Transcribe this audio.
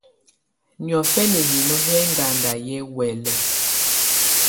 Niɔ́fɛnɛ hinó hɛ́ ɛŋgada yɛ́ huɛ́lɛ.